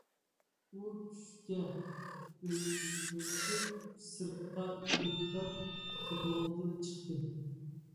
ئۇ چۈشكە ئۈلگۈرتۈپ سىرتقا كۆكتات سېتىۋالغىلى چىقتى.